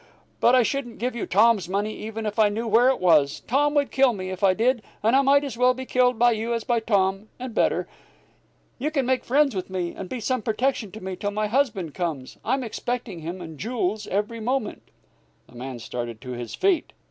But I shouldn't give you Tom's money, even if I knew where it was. Tom would kill me if I did, and I might as well be killed by you as by Tom and better. You can make friends with me, and be some protection to me till my husband comes. I'm expecting him and Jules every moment." The man started to his feet.